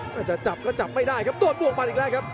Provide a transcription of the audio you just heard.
อาจจะจับก็จับไม่ได้ครับโดนบวกมันอีกแล้วครับ